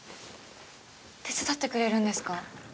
手伝ってくれるんですか？